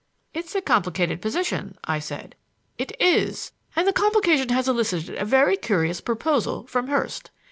"It's a complicated position," I said. "It is; and the complication has elicited a very curious proposal from Hurst.